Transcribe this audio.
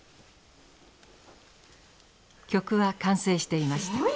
曲は完成していました。